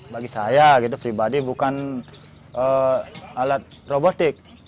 bagi saya gitu pribadi bukan alat robotik